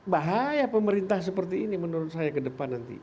bahaya pemerintah seperti ini menurut saya ke depan nanti